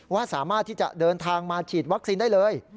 ว่าสามารถที่จะเดินทางมาฉีดวัคซีนได้เลย